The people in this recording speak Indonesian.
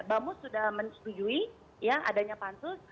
bamus sudah menetujui adanya pansus